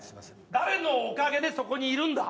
誰のおかげでそこにいるんだ！